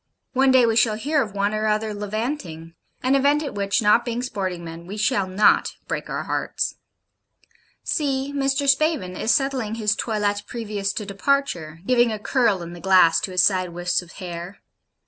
One day we shall hear of one or other levanting; an event at which, not being sporting men, we shall not break our hearts. See Mr. Spavin is settling his toilette previous to departure; giving a curl in the glass to his side wisps of hair.